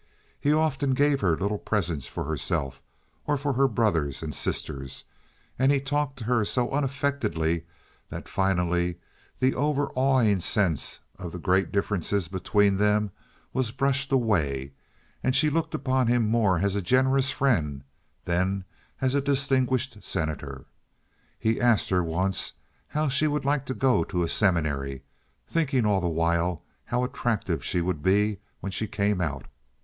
He often gave her little presents for herself, or for her brothers and sisters, and he talked to her so unaffectedly that finally the overawing sense of the great difference between them was brushed away, and she looked upon him more as a generous friend than as a distinguished Senator. He asked her once how she would like to go to a seminary, thinking all the while how attractive she would be when she came out.